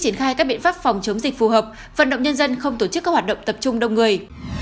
triển khai các biện pháp phòng chống dịch phù hợp vận động nhân dân không tổ chức các hoạt động tập trung đông người